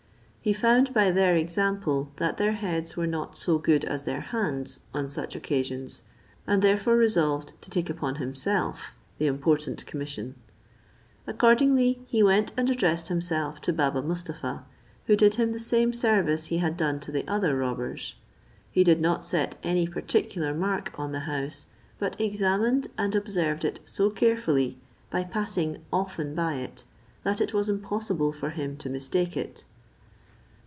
He found by their example that their heads were not so good as their hands on such occasions; and therefore resolved to take upon himself the important commission. Accordingly he went and addressed himself to Baba Mustapha, who did him the same service he had done to the other robbers. He did not set any particular mark on the house, but examined and observed it so carefully, by passing often by it, that it was impossible for him to mistake it.